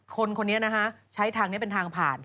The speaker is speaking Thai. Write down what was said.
คนคนนี้ใช้ทางนี้เป็นทางผ่าน